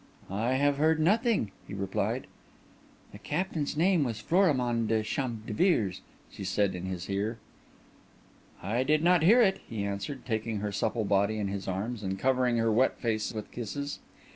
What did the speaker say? "I have heard nothing," he replied. "The captain's name was Florimond de Champdivers," she said in his ear. "I did not hear it," he answered, taking her supple body in his arms and covering her wet face with kisses.